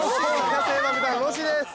野性爆弾ロッシーです。